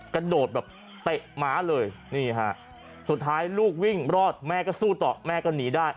กระโดดแบบเตะหมาเลยนี่ฮะสุดท้ายลูกวิ่งรอดแม่ก็สู้ต่อแม่ก็หนีได้